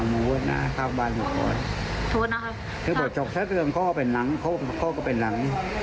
ไม่มองไม่มองเงียบปกติแบบนี้ไม่มอง